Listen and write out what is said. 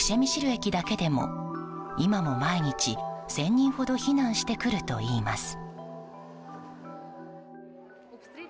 駅だけでも今も毎日１０００人ほど避難してくるといいます。